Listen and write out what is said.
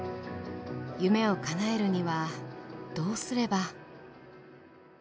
夢をかなえるにはどうすれば？